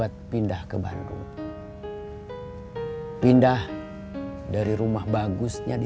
teh kinasi udah masuk